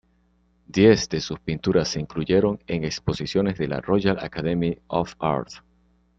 Diez de sus pinturas se incluyeron en exposiciones de la Royal Academy of Arts.